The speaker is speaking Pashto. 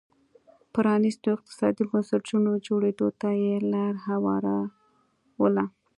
پرانيستو اقتصادي بنسټونو جوړېدو ته یې لار هواروله.